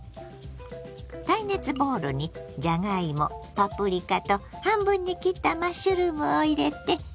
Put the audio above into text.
耐熱ボウルにじゃがいもパプリカと半分に切ったマッシュルームを入れて。